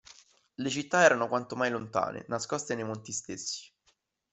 Le città erano quanto mai lontane, nascoste nei monti stessi.